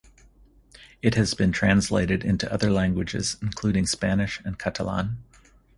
It has been translated into other languages including Spanish and Catalan.